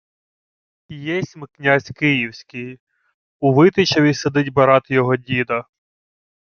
— Єсмь князь київський. У Витичеві сидить брат мого діда.